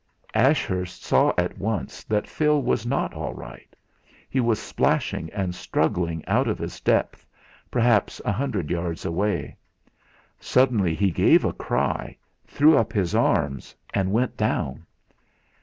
Ashurst saw at once that Phil was not all right. He was splashing and struggling out of his depth, perhaps a hundred yards away; suddenly he gave a cry, threw up his arms, and went down.